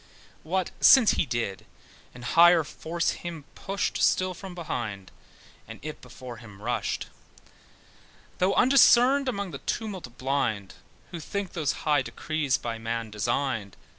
What since he did, an higher force him pushed Still from behind, and yet before him rushed, Though undiscerned among the tumult blind, Who think those high decrees by man designed.